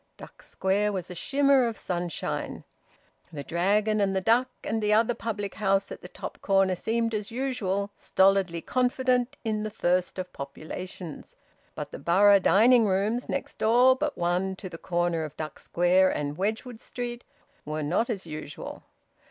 Duck Square was a shimmer of sunshine. The Dragon and the Duck and the other public house at the top corner seemed as usual, stolidly confident in the thirst of populations. But the Borough Dining Rooms, next door but one to the corner of Duck Square and Wedgwood Street, were not as usual.